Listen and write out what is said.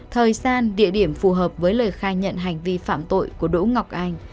thời gian địa điểm phù hợp với lời khai nhận hành vi phạm tội của đỗ ngọc anh